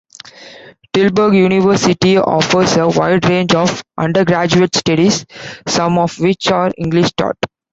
Tilburg University offers a wide range of undergraduate studies, some of which are English-taught.